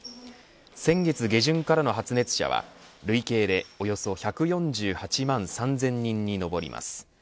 先月下旬からの発熱者は累計でおよそ１４８万３０００人に上ります。